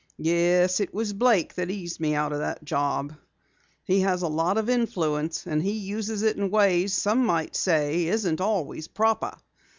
"Yes, it was Blake that eased me out of that job. He has a lot of influence and he uses it in ways some might say isn't always proper.